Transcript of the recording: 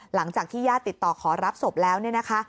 หลังจากที่ญาติติดต่อขอรับศพแล้วเนี่ยนะคะ